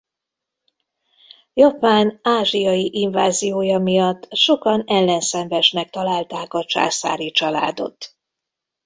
Japán ázsiai inváziója miatt sokan ellenszenvesnek találták a császári családot.